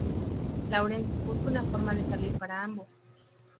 Lawrence busca una forma de salir para ambos.